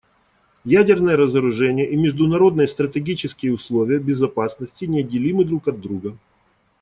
Ядерное разоружение и международные стратегические условия безопасности неотделимы друг от друга.